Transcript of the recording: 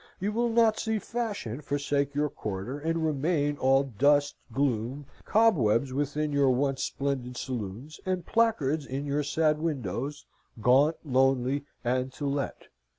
You will not see fashion forsake your quarter; and remain all dust, gloom, cobwebs within your once splendid saloons, and placards in your sad windows, gaunt, lonely, and to let!